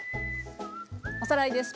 おさらいです。